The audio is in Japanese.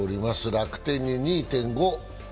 楽天に２．５。